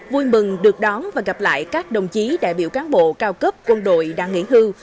vui mừng được đón và gặp lại các đồng chí đại biểu cán bộ cao cấp quân đội đang nghỉ hưu